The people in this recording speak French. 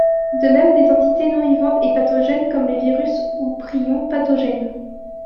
De même des entités non vivantes et pathogènes comme les virus ou prions pathogènes.